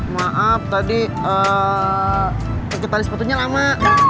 maaf tadi ee ikut tali sepatunya lama